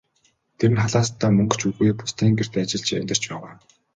Тэр нь халаасандаа мөнгө ч үгүй, бусдын гэрт ажиллаж амьдарч байгаа.